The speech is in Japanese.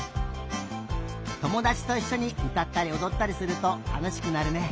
ともだちといっしょにうたったりおどったりするとたのしくなるね。